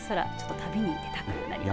旅に出たくなりますね。